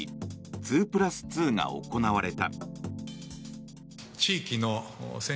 ２プラス２が行われた。